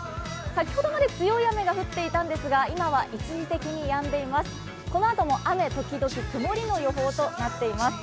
先ほどまで強い雨が降っていたんですが、今は一時的にやんでいます